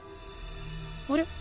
あれ？